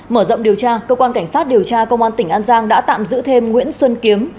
mở rộng điều tra cơ quan cảnh sát điều tra công an tỉnh an giang đã tạm giữ thêm nguyễn xuân kiếm